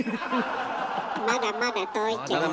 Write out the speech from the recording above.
まだまだ遠いけどね。